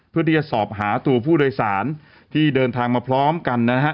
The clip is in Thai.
เพื่อที่จะสอบหาตัวผู้โดยสารที่เดินทางมาพร้อมกันนะฮะ